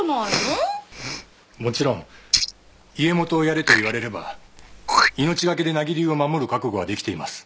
もちろん家元をやれと言われれば命懸けで名木流を守る覚悟はできています。